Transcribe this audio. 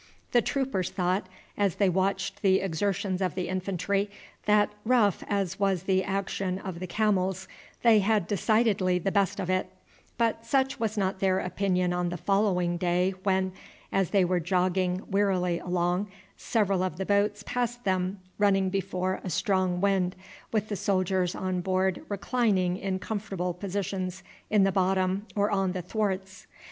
The troopers thought, as they watched the exertions of the infantry, that, rough as was the action of the camels, they had decidedly the best of it, but such was not their opinion on the following day when, as they were jogging wearily along, several of the boats passed them running before a strong wind, with the soldiers on board reclining in comfortable positions in the bottom or on the thwarts.